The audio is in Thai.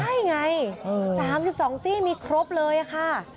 ใช่ไง๓๒ซี่มีครบเลยค่ะ